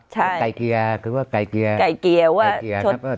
ใช่ไก่เกียร์คือว่าไก่เกียร์ไก่เกียร์ว่าไก่เกียร์นะครับ